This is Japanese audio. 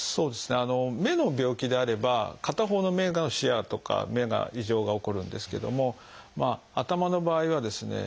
目の病気であれば片方の目の視野とか目が異常が起こるんですけども頭の場合はですね